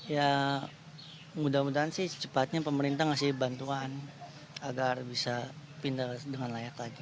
ya mudah mudahan sih cepatnya pemerintah ngasih bantuan agar bisa pindah dengan layak lagi